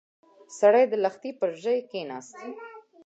سړی د لښتي پر ژۍ کېناست.